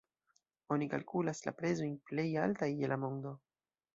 Oni kalkulas la prezojn plej altaj je la mondo.